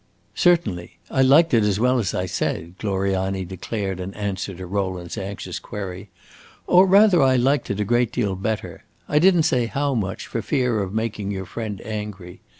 "Certainly; I liked it as well as I said," Gloriani declared in answer to Rowland's anxious query; "or rather I liked it a great deal better. I did n't say how much, for fear of making your friend angry.